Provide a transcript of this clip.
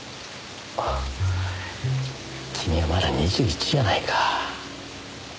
君はまだ２１じゃないか。